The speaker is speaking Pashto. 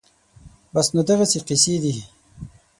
بس نو دغسې قېصې دي